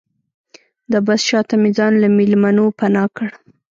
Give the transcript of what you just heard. د بس شاته مې ځان له مېلمنو پناه کړ.